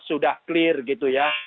sudah clear gitu ya